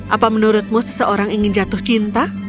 apa menurutmu seseorang ingin jatuh cinta